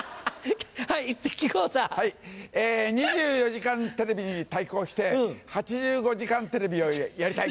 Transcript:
『２４時間テレビ』に対抗して『８５時間テレビ』をやりたい。